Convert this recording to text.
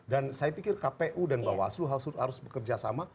dan saya pikir kpu dan bawaslu harus bekerja sama